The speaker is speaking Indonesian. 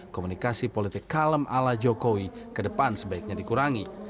komunikasi politik kalem ala jokowi ke depan sebaiknya dikurangi